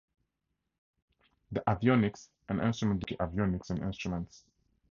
The avionics and instrument division is called Milwaukee Avionics and Instruments.